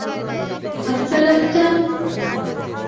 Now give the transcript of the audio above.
হাত মেলাতে চান?